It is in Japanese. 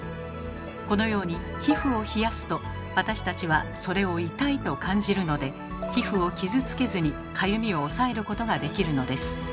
このように皮膚を冷やすと私たちはそれを痛いと感じるので皮膚を傷つけずにかゆみを抑えることができるのです。